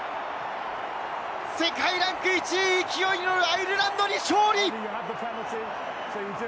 世界ランク１位、勢いに乗るアイルランドに勝利。